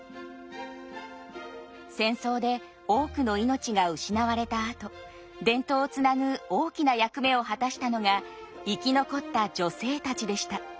戦争で多くの命が失われたあと伝統をつなぐ大きな役目を果たしたのが生き残った女性たちでした。